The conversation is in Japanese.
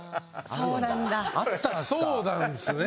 そうなんですね。